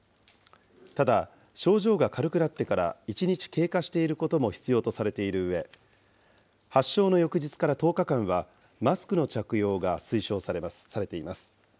ただ、症状が軽くなってから１日経過していることも必要とされているうえ、発症の翌日から１０日間はマスクの着用が推奨されています。